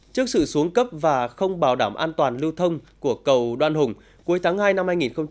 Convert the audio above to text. trước sự xuống cấp và không bảo đảm an toàn lưu thông của cầu đoan hùng cuối tháng hai năm hai nghìn hai mươi